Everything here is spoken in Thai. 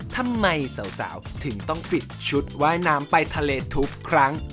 ทำไมสาวถึงต้องปิดชุดว่ายน้ำไปทะเลทุกครั้ง